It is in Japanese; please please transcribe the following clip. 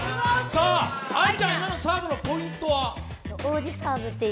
愛ちゃん、今のサーブのポイントは？